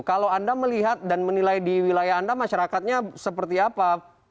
kalau anda melihat dan menilai di wilayah anda masyarakatnya seperti apa